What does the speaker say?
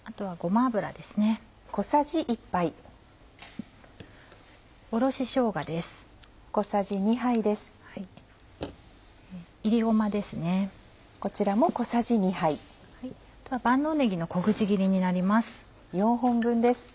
万能ねぎの小口切りになります。